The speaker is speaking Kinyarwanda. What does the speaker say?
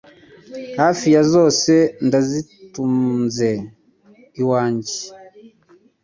hafi ya zose ndazitunze iwanjye